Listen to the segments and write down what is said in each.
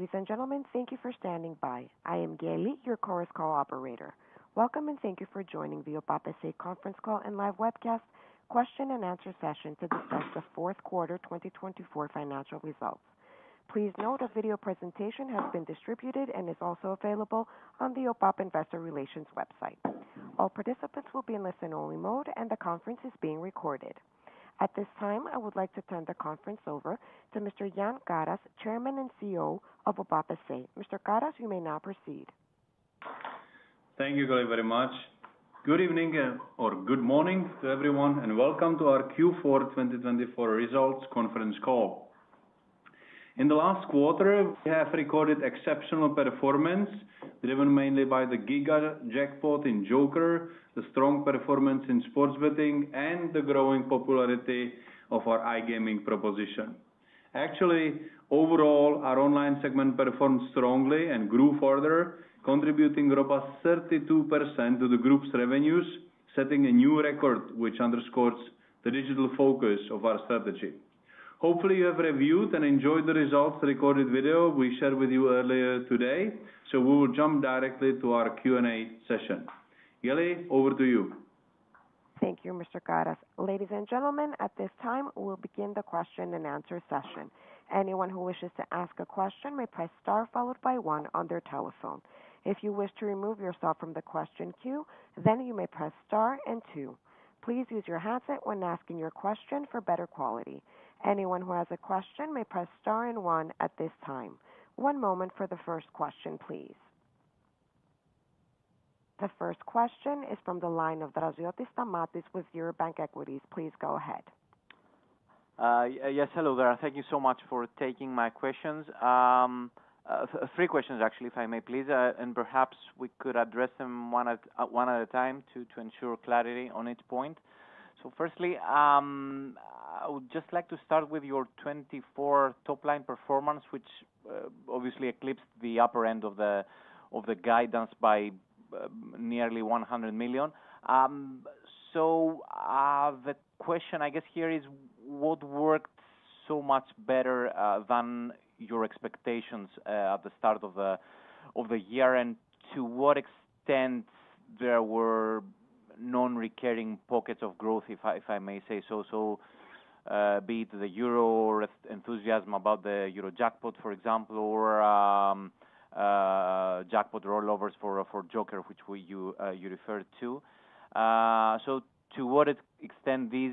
Ladies, and gentlemen, thank you for standing by. I am Gailey, your Conference Call Operator. Welcome, and thank you for joining the OPAP S.A. Conference Call and Live Webcast Question and Answer Session to discuss the Fourth Quarter 2024 Financial Results. Please note our video presentation has been distributed and is also available on the OPAP Investor Relations website. All participants will be in listen-only mode, and the conference is being recorded. At this time, I would like to turn the conference over to Mr. Jan Karas, Chairman and CEO of OPAP S.A. Mr. Karas, you may now proceed. Thank you very much. Good evening, or good morning to everyone, and welcome to our Q4 2024 Results Conference Call. In the last quarter, we have recorded exceptional performance, driven mainly by the Giga jackpot in Joker, the strong performance in sports betting, and the growing popularity of our iGaming proposition. Actually, overall, our online segment performed strongly and grew further, contributing roughly 32% to the group's revenues, setting a new record, which underscores the digital focus of our strategy. Hopefully, you have reviewed and enjoyed the results recorded video we shared with you earlier today, so we will jump directly to our Q&A session. Gailey, over to you. Thank you, Mr. Karas. Ladies, and gentlemen, at this time, we'll begin the question and answer session. Anyone who wishes to ask a question may press star followed by one on their telephone. If you wish to remove yourself from the question queue, then you may press star and two. Please use your handset when asking your question for better quality. Anyone who has a question may press star and one at this time. One moment for the first question, please. The first question is from the line of Draziotis Stamatios with Eurobank Equities. Please go ahead. Yes, hello there. Thank you so much for taking my questions. Three questions, actually, if I may, please, and perhaps we could address them one at a time to ensure clarity on each point. Firstly, I would just like to start with your 2024 top-line performance, which obviously eclipsed the upper end of the guidance by nearly 100 million. The question, I guess, here is, what worked so much better than your expectations at the start of the year? To what extent were there non-recurring pockets of growth, if I may say so, be it the Euro or enthusiasm about the Eurojackpot, for example, or jackpot rollovers for Joker, which you referred to? To what extent do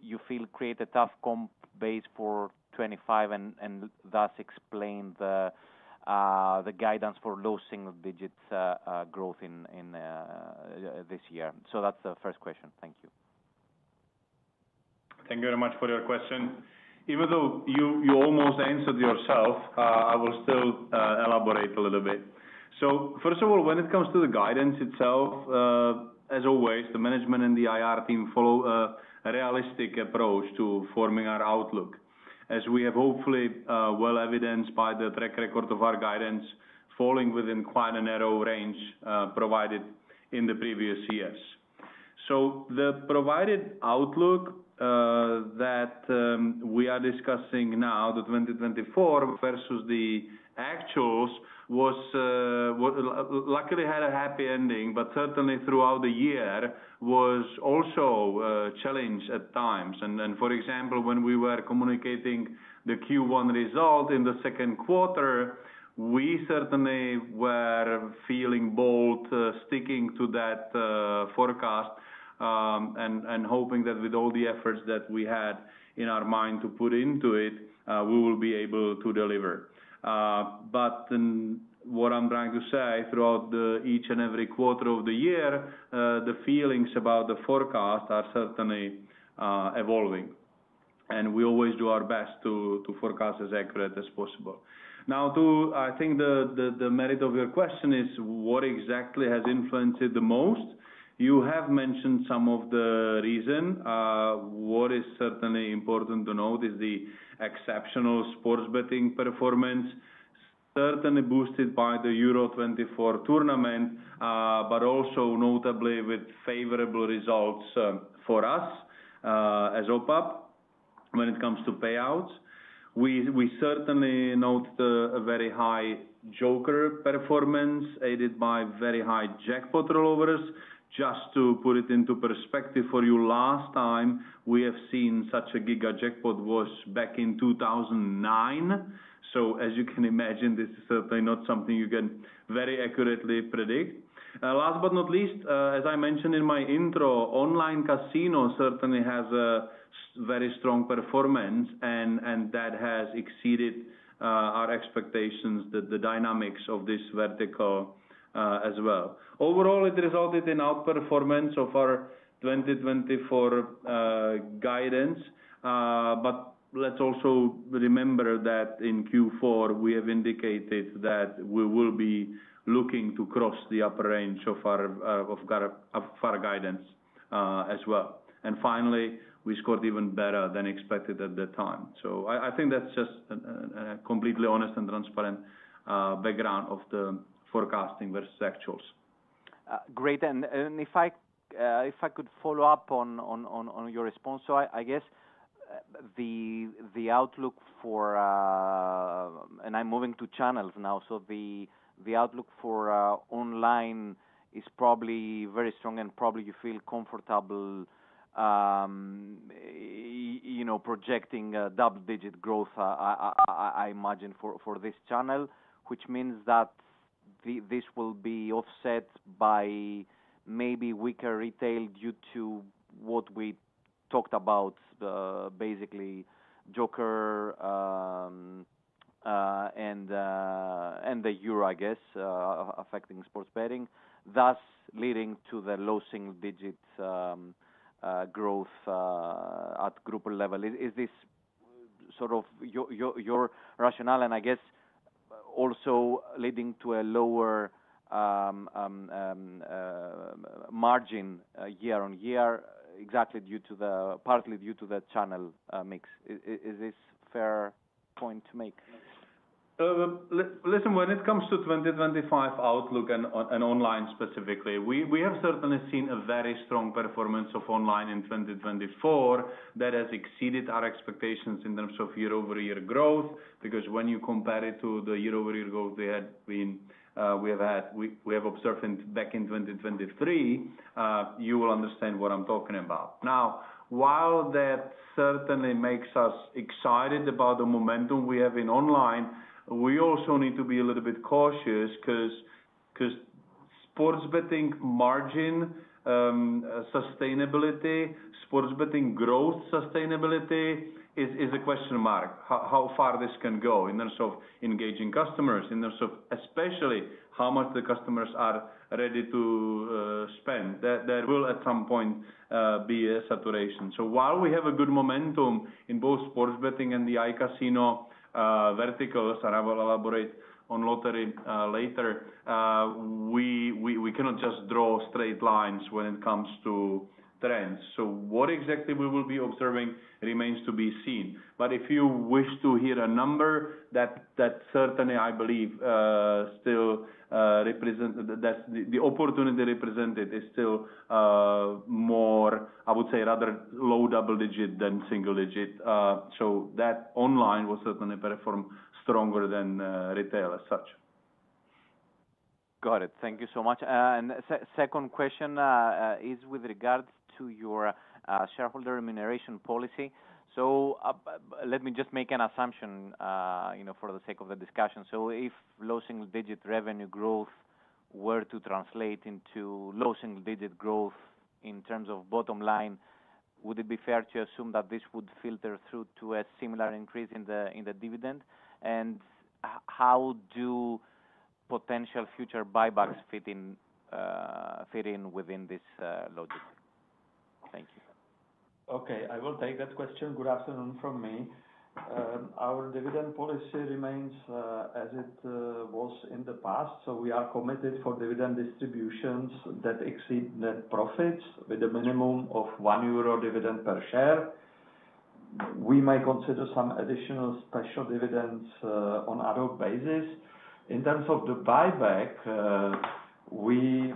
you feel this creates a tough comp base for 2025 and thus explains the guidance for low single-digit growth this year? That is the first question. Thank you. Thank you very much for your question. Even though you almost answered yourself, I will still elaborate a little bit. First of all, when it comes to the guidance itself, as always, the management and the IR team follow a realistic approach to forming our outlook, as we have hopefully well evidenced by the track record of our guidance falling within quite a narrow range provided in the previous years. The provided outlook that we are discussing now, the 2024 versus the actuals, luckily had a happy ending, but certainly throughout the year was also challenged at times. For example, when we were communicating the Q1 result in the second quarter, we certainly were feeling bold, sticking to that forecast and hoping that with all the efforts that we had in our mind to put into it, we will be able to deliver. What I'm trying to say, throughout each and every quarter of the year, the feelings about the forecast are certainly evolving. We always do our best to forecast as accurately as possible. I think the merit of your question is, what exactly has influenced it the most? You have mentioned some of the reasons. What is certainly important to note is the exceptional sports betting performance, certainly boosted by the Euro 2024 tournament, but also notably with favorable results for us as OPAP when it comes to payouts. We certainly note a very high Joker performance aided by very high jackpot rollovers. Just to put it into perspective for you, last time we have seen such a Giga jackpot was back in 2009. As you can imagine, this is certainly not something you can very accurately predict. Last but not least, as I mentioned in my intro, online casino certainly has a very strong performance, and that has exceeded our expectations, the dynamics of this vertical as well. Overall, it resulted in outperformance of our 2024 guidance. Let's also remember that in Q4, we have indicated that we will be looking to cross the upper range of our guidance as well. Finally, we scored even better than expected at that time. I think that's just a completely honest and transparent background of the forecasting versus actuals. Great. If I could follow up on your response, I guess the outlook for, and I'm moving to channels now, the outlook for online is probably very strong and probably you feel comfortable projecting double-digit growth, I imagine, for this channel, which means that this will be offset by maybe weaker retail due to what we talked about, basically Joker and the Eurojackpot, I guess, affecting sports betting, thus leading to the low single-digit growth at group level. Is this sort of your rationale? I guess also leading to a lower margin year on year, exactly partly due to the channel mix. Is this a fair point to make? Listen, when it comes to 2025 outlook and online specifically, we have certainly seen a very strong performance of online in 2024 that has exceeded our expectations in terms of year-over-year growth, because when you compare it to the year-over-year growth we have observed back in 2023, you will understand what I'm talking about. Now, while that certainly makes us excited about the momentum we have in online, we also need to be a little bit cautious because sports betting margin sustainability, sports betting growth sustainability is a question mark. How far this can go in terms of engaging customers, in terms of especially how much the customers are ready to spend, there will at some point be a saturation. While we have a good momentum in both sports betting and the iCasino verticals, and I will elaborate on Lottery later, we cannot just draw straight lines when it comes to trends. What exactly we will be observing remains to be seen. If you wish to hear a number, that certainly I believe still represents the opportunity represented is still more, I would say, rather low double-digit than single-digit. That online will certainly perform stronger than retail as such. Got it. Thank you so much. My second question is with regards to your shareholder remuneration policy. Let me just make an assumption for the sake of the discussion. If low single-digit revenue growth were to translate into low single-digit growth in terms of bottom line, would it be fair to assume that this would filter through to a similar increase in the dividend? How do potential future buybacks fit in within this logic? Thank you. Okay. I will take that question. Good afternoon from me. Our dividend policy remains as it was in the past. We are committed for dividend distributions that exceed net profits with a minimum of 1 euro dividend per share. We may consider some additional special dividends on other bases. In terms of the buyback, we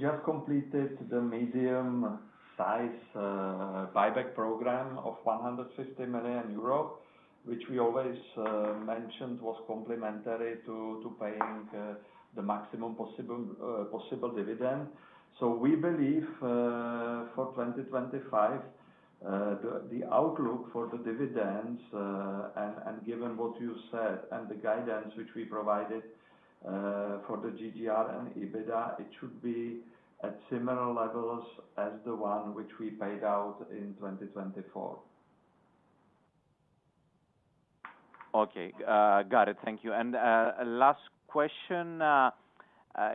just completed the medium-sized buyback program of 150 million euro, which we always mentioned was complementary to paying the maximum possible dividend. We believe for 2025, the outlook for the dividends, and given what you said and the guidance which we provided for the GGR and EBITDA, it should be at similar levels as the one which we paid out in 2024. Okay. Got it. Thank you. Last question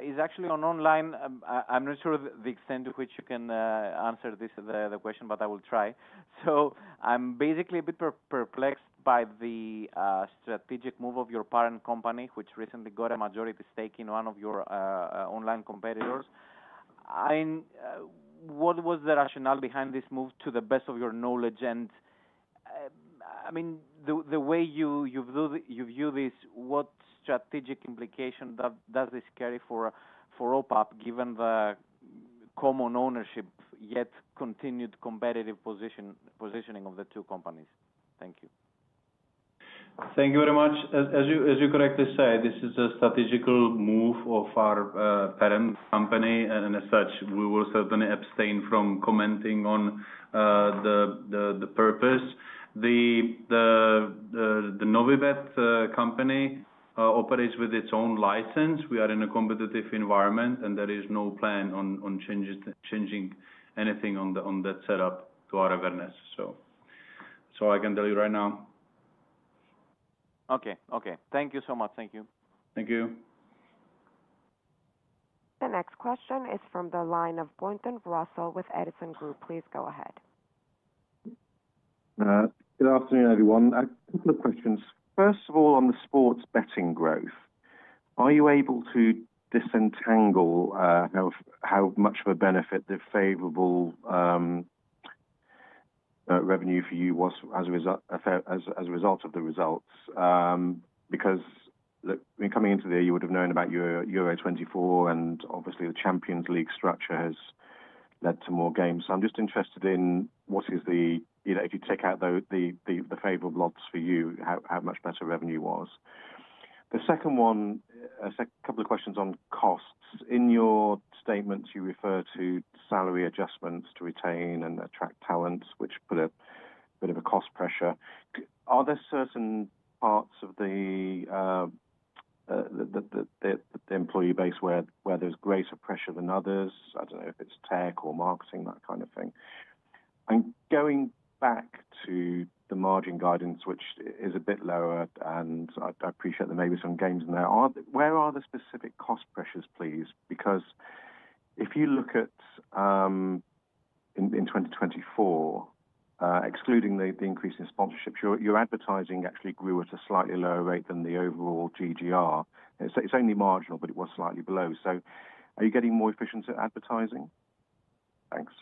is actually on online. I'm not sure the extent to which you can answer the question, but I will try. I'm basically a bit perplexed by the strategic move of your parent company, which recently got a majority stake in one of your online competitors. What was the rationale behind this move to the best of your knowledge? I mean, the way you view this, what strategic implication does this carry for OPAP, given the common ownership, yet continued competitive positioning of the two companies? Thank you. Thank you very much. As you correctly say, this is a strategical move of our parent company, and as such, we will certainly abstain from commenting on the purpose. The Novibet company operates with its own license. We are in a competitive environment, and there is no plan on changing anything on that setup to our awareness, so I can tell you right now. Okay. Okay. Thank you so much. Thank you. Thank you. The next question is from the line of Pointon Russell with Edison Group. Please go ahead. Good afternoon, everyone. A couple of questions. First of all, on the sports betting growth, are you able to disentangle how much of a benefit the favorable revenue for you was as a result of the results? Because coming into the year, you would have known about Euro 2024, and obviously, the Champions League structure has led to more games. I am just interested in what is the, if you take out the favorable odds for you, how much better revenue was. The second one, a couple of questions on costs. In your statements, you refer to salary adjustments to retain and attract talent, which put a bit of a cost pressure. Are there certain parts of the employee base where there's greater pressure than others? I do not know if it's tech or marketing, that kind of thing. Going back to the margin guidance, which is a bit lower, and I appreciate there may be some gains in there, where are the specific cost pressures, please? Because if you look at in 2024, excluding the increase in sponsorships, your advertising actually grew at a slightly lower rate than the overall GGR. It is only marginal, but it was slightly below. Are you getting more efficient at advertising? Thanks.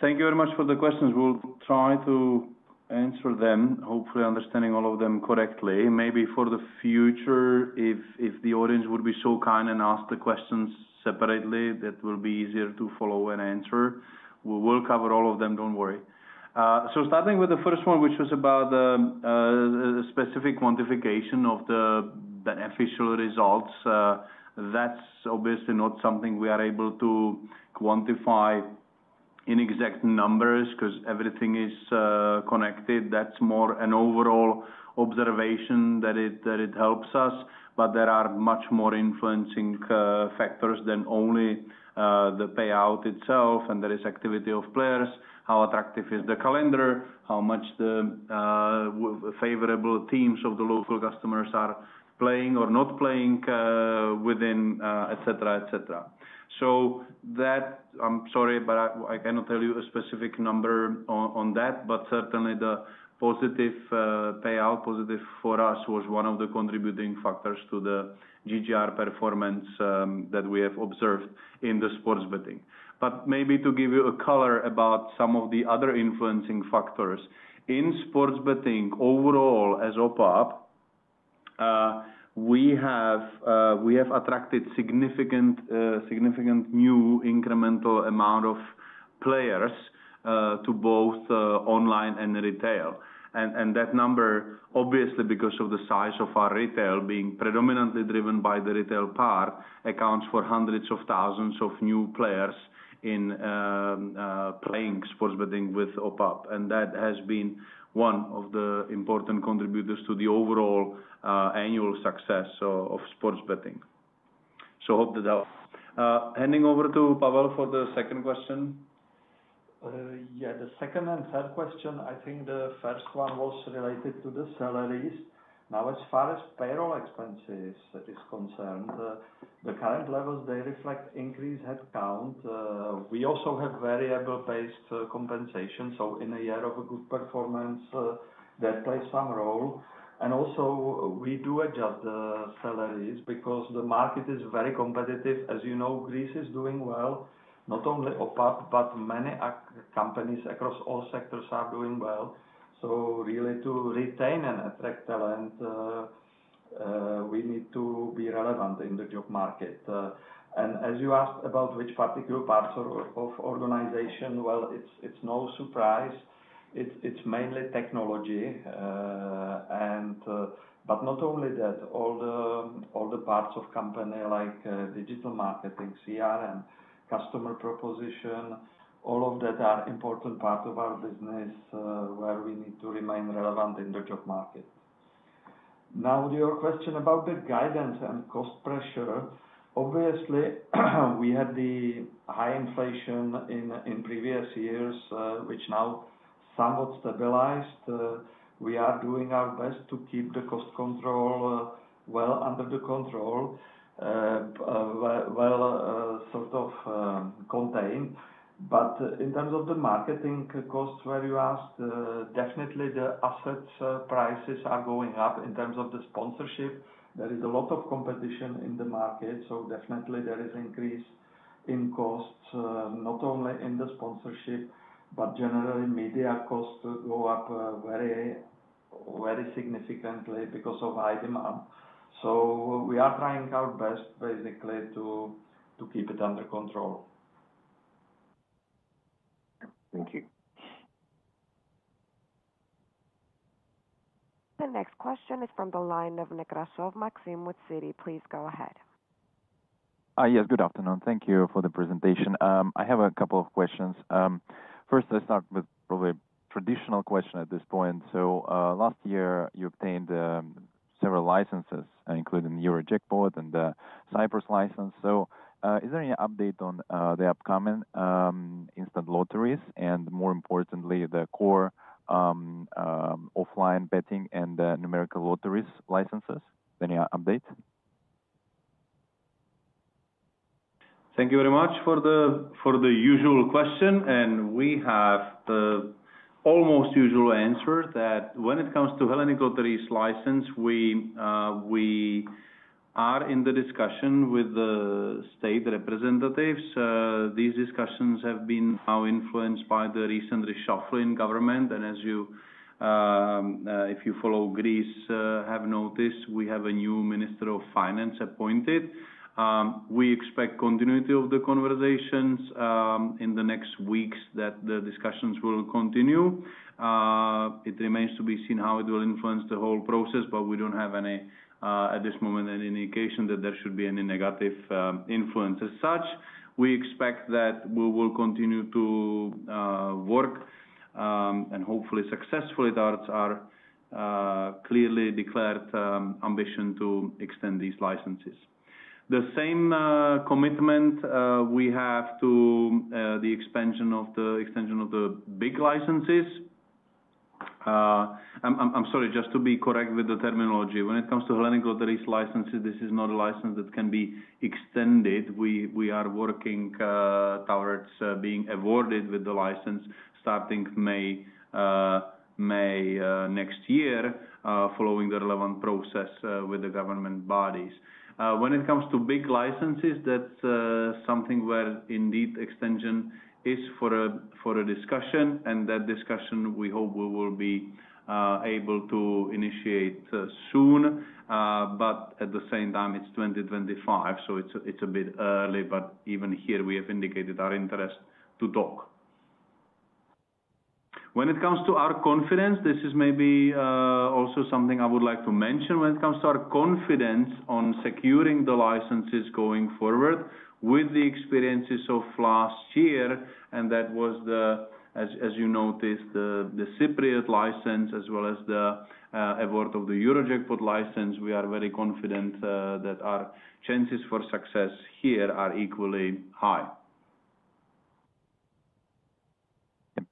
Thank you very much for the questions. We'll try to answer them, hopefully understanding all of them correctly. Maybe for the future, if the audience would be so kind and ask the questions separately, that will be easier to follow and answer. We will cover all of them, don't worry. Starting with the first one, which was about a specific quantification of the official results, that's obviously not something we are able to quantify in exact numbers because everything is connected. That's more an overall observation that it helps us, but there are much more influencing factors than only the payout itself, and there is activity of players, how attractive is the calendar, how much the favorable teams of the local customers are playing or not playing within, et cetera, et cetera. I'm sorry, but I cannot tell you a specific number on that, but certainly the positive payout, positive for us, was one of the contributing factors to the GGR performance that we have observed in the sports betting. Maybe to give you a color about some of the other influencing factors, in sports betting overall as OPAP, we have attracted significant new incremental amount of players to both online and retail. That number, obviously, because of the size of our retail being predominantly driven by the retail part, accounts for hundreds of thousands of new players in playing sports betting with OPAP. That has been one of the important contributors to the overall annual success of sports betting. Hope that that. Handing over to Pavel for the second question. Yeah. The second and third question, I think the first one was related to the salaries. Now, as far as payroll expenses is concerned, the current levels, they reflect increased headcount. We also have variable-based compensation. In a year of good performance, that plays some role. Also, we do adjust the salaries because the market is very competitive. As you know, Greece is doing well, not only OPAP, but many companies across all sectors are doing well. Really, to retain and attract talent, we need to be relevant in the job market. As you asked about which particular parts of organization, it's no surprise. It's mainly technology. Not only that, all the parts of company like digital marketing, CRM, customer proposition, all of that are important parts of our business where we need to remain relevant in the job market. Now, to your question about the guidance and cost pressure, obviously, we had the high inflation in previous years, which now somewhat stabilized. We are doing our best to keep the cost control well under control, well sort of contained. In terms of the marketing costs, where you asked, definitely the assets prices are going up. In terms of the sponsorship, there is a lot of competition in the market. Definitely, there is an increase in costs, not only in the sponsorship, but generally, media costs go up very significantly because of high demand. We are trying our best, basically, to keep it under control. Thank you. The next question is from the line of Nekrasov Maxim with Citi. Please go ahead. Yes. Good afternoon. Thank you for the presentation. I have a couple of questions. First, let's start with probably a traditional question at this point. Last year, you obtained several licenses, including the Eurojackpot and the Cyprus license. Is there any update on the upcoming instant lotteries and, more importantly, the core offline betting and numerical lotteries licenses? Any update? Thank you very much for the usual question. We have the almost usual answer that when it comes to Hellenic Lotteries license, we are in the discussion with the state representatives. These discussions have been now influenced by the recent reshuffle in government. As you, if you follow Greece, have noticed, we have a new Minister of Finance appointed. We expect continuity of the conversations in the next weeks, that the discussions will continue. It remains to be seen how it will influence the whole process, but we do not have any at this moment any indication that there should be any negative influence as such. We expect that we will continue to work and hopefully successfully towards our clearly declared ambition to extend these licenses. The same commitment we have to the extension of the big licenses. I'm sorry, just to be correct with the terminology. When it comes to Hellenic Lotteries licenses, this is not a license that can be extended. We are working towards being awarded with the license starting May next year, following the relevant process with the government bodies. When it comes to big licenses, that's something where indeed extension is for a discussion. That discussion, we hope we will be able to initiate soon. At the same time, it's 2025, so it's a bit early. Even here, we have indicated our interest to talk. When it comes to our confidence, this is maybe also something I would like to mention. When it comes to our confidence on securing the licenses going forward with the experiences of last year, and that was, as you noticed, the Cypriot license as well as the award of the Eurojackpot license, we are very confident that our chances for success here are equally high.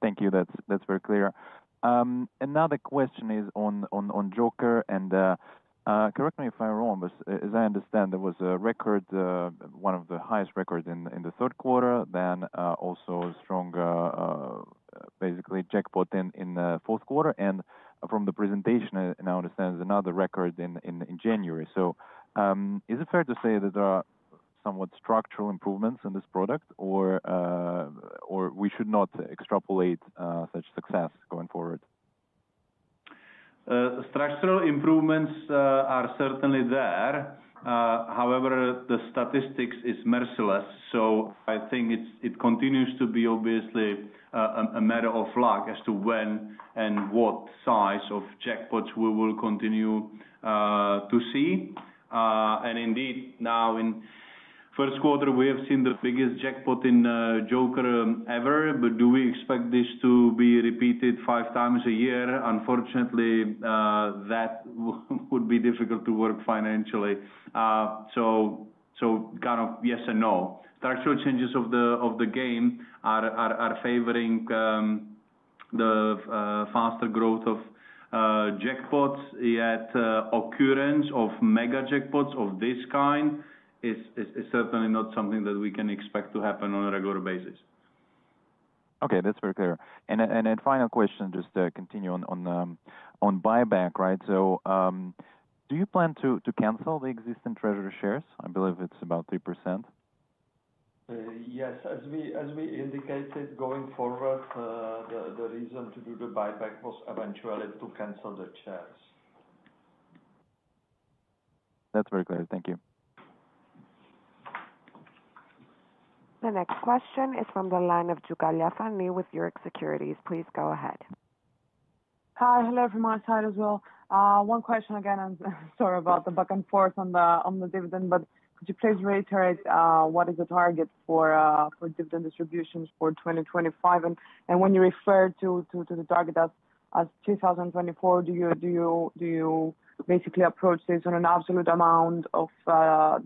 Thank you. That's very clear. Another question is on Joker. Correct me if I'm wrong, but as I understand, there was a record, one of the highest records in the third quarter, then also a strong, basically, jackpot in the fourth quarter. From the presentation, I understand there's another record in January. Is it fair to say that there are somewhat structural improvements in this product, or we should not extrapolate such success going forward? Structural improvements are certainly there. However, the statistics is merciless. I think it continues to be obviously a matter of luck as to when and what size of jackpots we will continue to see. Indeed, now in first quarter, we have seen the biggest jackpot in Joker ever. Do we expect this to be repeated five times a year? Unfortunately, that would be difficult to work financially. Kind of yes and no. Structural changes of the game are favoring the faster growth of jackpots, yet occurrence of mega jackpots of this kind is certainly not something that we can expect to happen on a regular basis. Okay. That's very clear. Final question, just to continue on buyback, right? Do you plan to cancel the existing treasury shares? I believe it's about 3%. Yes. As we indicated going forward, the reason to do the buyback was eventually to cancel the shares. That's very clear. Thank you. The next question is from the line of Tzioukalia Fani with Euroxx Securities. Please go ahead. Hi, hello from my side as well. One question again. I'm sorry about the back and forth on the dividend, but could you please reiterate what is the target for dividend distributions for 2025? When you refer to the target as 2024, do you basically approach this on an absolute amount of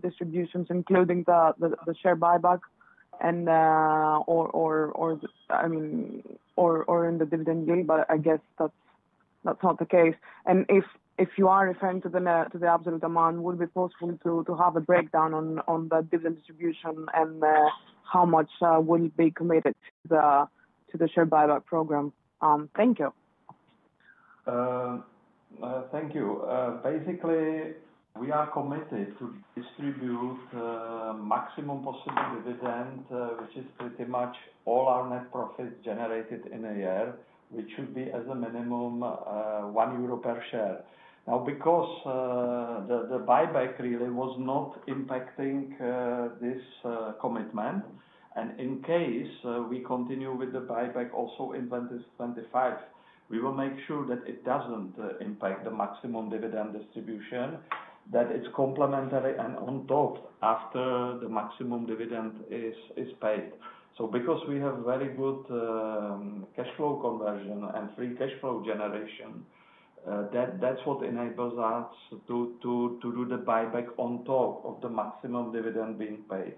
distributions, including the share buyback, or in the dividend yield? I guess that's not the case. If you are referring to the absolute amount, would it be possible to have a breakdown on the dividend distribution and how much will be committed to the share buyback program? Thank you. Thank you. Basically, we are committed to distribute maximum possible dividend, which is pretty much all our net profits generated in a year, which should be as a minimum 1 euro per share. Now, because the buyback really was not impacting this commitment, and in case we continue with the buyback also in 2025, we will make sure that it doesn't impact the maximum dividend distribution, that it's complementary and on top after the maximum dividend is paid. Because we have very good cash flow conversion and free cash flow generation, that's what enables us to do the buyback on top of the maximum dividend being paid.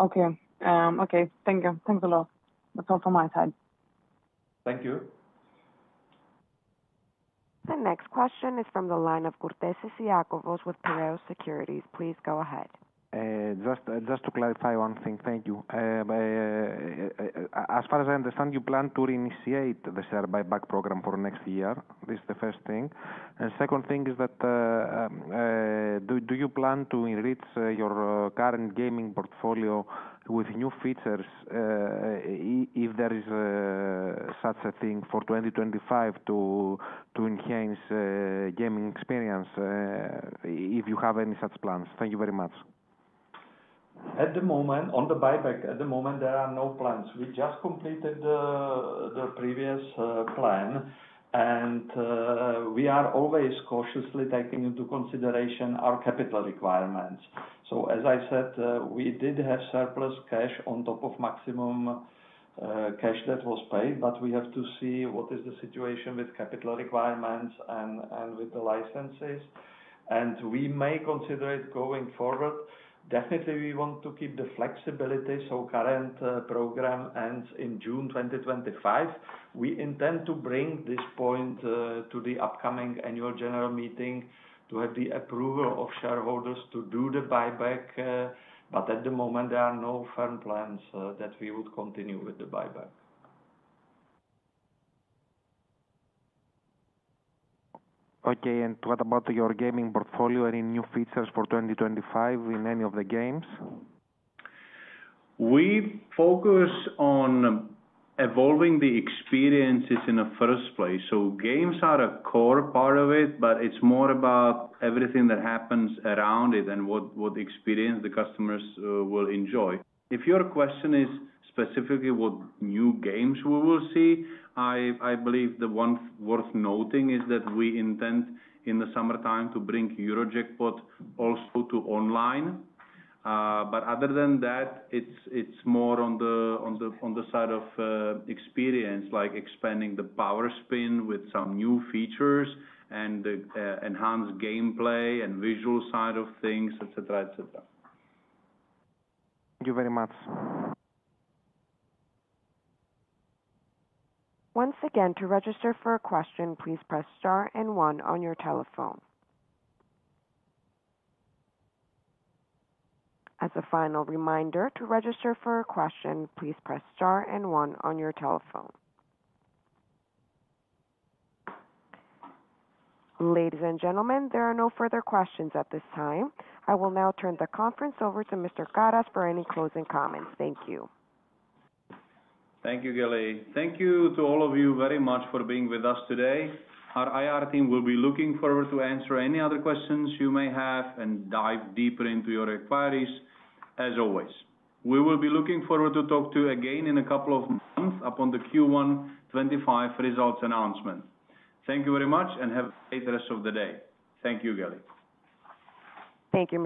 Okay. Okay. Thank you. Thanks a lot. That's all from my side. Thank you. The next question is from the line of Kourtesis Iakovos with Piraeus Securities. Please go ahead. Just to clarify one thing. Thank you. As far as I understand, you plan to reinitiate the share buyback program for next year. This is the first thing. The second thing is that do you plan to enrich your current gaming portfolio with new features, if there is such a thing, for 2025 to enhance gaming experience, if you have any such plans? Thank you very much. At the moment, on the buyback, at the moment, there are no plans. We just completed the previous plan, and we are always cautiously taking into consideration our capital requirements. As I said, we did have surplus cash on top of maximum cash that was paid, but we have to see what is the situation with capital requirements and with the licenses. We may consider it going forward. Definitely, we want to keep the flexibility. The current program ends in June 2025. We intend to bring this point to the upcoming annual general meeting to have the approval of shareholders to do the buyback. At the moment, there are no firm plans that we would continue with the buyback. Okay. What about your gaming portfolio and any new features for 2025 in any of the games? We focus on evolving the experiences in the first place. Games are a core part of it, but it's more about everything that happens around it and what experience the customers will enjoy. If your question is specifically what new games we will see, I believe the one worth noting is that we intend in the summertime to bring Eurojackpot also to online. Other than that, it's more on the side of experience, like expanding the Powerspin with some new features and enhanced gameplay and visual side of things, et cetera, et cetera. Thank you very much. Once again, to register for a question, please press star and one on your telephone. As a final reminder, to register for a question, please press star and one on your telephone. Ladies, and gentlemen, there are no further questions at this time. I will now turn the conference over to Mr. Karas for any closing comments. Thank you. Thank you, Gailey. Thank you to all of you very much for being with us today. Our IR team will be looking forward to answering any other questions you may have and dive deeper into your inquiries, as always. We will be looking forward to talking to you again in a couple of months upon the Q1 2025 results announcement. Thank you very much, and have a great rest of the day. Thank you, Gailey. Thank you.